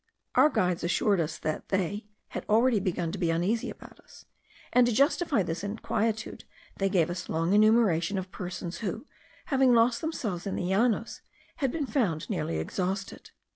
Our guides assured us that "they had already begun to be uneasy about us;" and, to justify this inquietude, they gave a long enumeration of persons who, having lost themselves in the Llanos, had been found nearly exhausted.